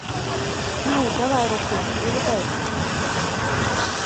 Ну, давай руку, прывітайся.